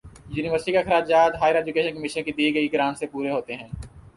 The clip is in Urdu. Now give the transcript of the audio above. یونیورسٹیوں کے اخراجات ہائیر ایجوکیشن کمیشن کی دی گئی گرانٹ سے پورے ہوتے ہیں۔